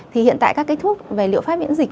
thì hiện tại các cái thuốc về liệu pháp miễn dịch